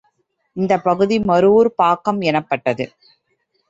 இந்தப் பகுதி மருவூர்ப் பாக்கம் எனப்பட்டது.